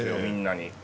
みんなに。